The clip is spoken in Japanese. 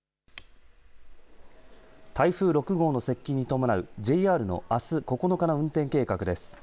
台風６号の接近に伴うＪＲのあす９日の運転計画です。